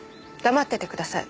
黙っててください。